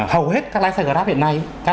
hầu hết các lái xe grab hiện nay